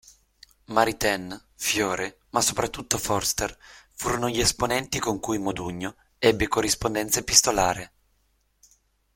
Maritain, Fiore, ma soprattutto Forster, furono gli esponenti con cui Modugno ebbe corrispondenza epistolare.